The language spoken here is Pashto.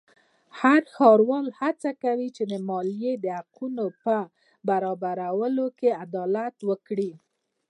هر ښاروال هڅه کوي چې د مالیې د حقونو په برابرولو کې عدالت وکړي.